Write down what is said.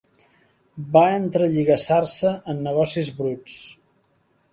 Va entrelligassar-se en negocis bruts.